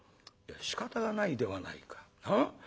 「しかたがないではないか。なあ？